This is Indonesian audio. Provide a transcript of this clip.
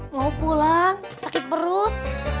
mau pulang sakit perut